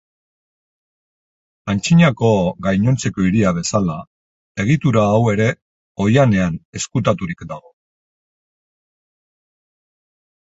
Antzinako gainontzeko hiria bezala, egitura hau ere oihanean ezkutaturik dago.